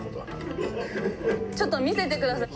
ちょっと見せてください。